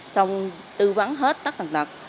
xong tư vấn hết tắt tầng tật